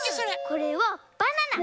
これはバナナ！